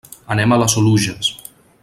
Anem a les Oluges.